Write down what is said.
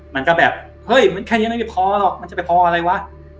มันก็แบบเฮ้ยมันแค่นี้มันไม่พอหรอกมันจะไปพออะไรวะ